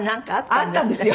あったんですよ。